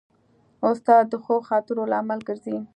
استاد د ښو خاطرو لامل ګرځي.